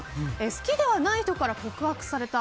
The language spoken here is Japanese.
好きではない人から告白された。